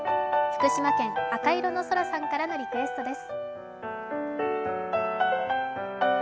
福島県、あかいろの空さんからのリクエストです。